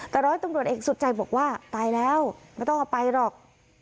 แต่ร้อยตำรวจเอกสุดใจบอกว่าตายแล้วไม่ต้องเอาไปหรอก